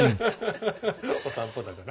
お散歩だから。